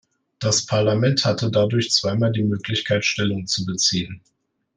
Das Parlament hatte dadurch zweimal die Möglichkeit, Stellung zu beziehen.